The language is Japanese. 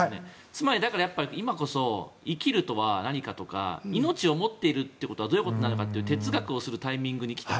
つまり、だから今こそ生きるとは何かとか命を持っているということはどういうことなのかと哲学をするタイミングに来た。